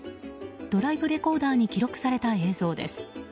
ドライブレコーダーに記録された映像です。